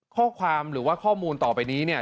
ข้อความหรือว่าข้อมูลต่อไปนี้เนี่ย